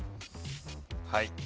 はい。